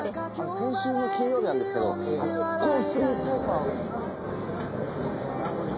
先週の金曜日なんですけどこのフリーペーパーを。